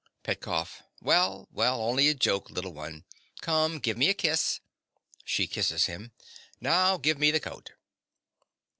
PETKOFF. Well, well, only a joke, little one. Come, give me a kiss. (She kisses him.) Now give me the coat.